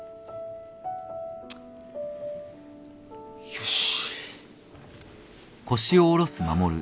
よし。